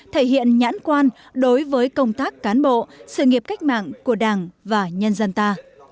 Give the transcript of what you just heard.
thể hiện nhãn quan đối với công tác cán bộ sự nghiệp cách mạng của đảng và nhân dân ta